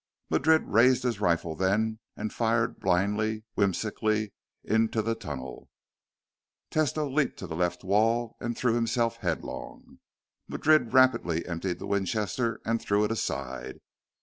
Madrid raised his rifle then and fired blindly, whimsically, into the tunnel. Tesno leaped to the left wall and threw himself headlong. Madrid rapidly emptied the Winchester and threw it aside.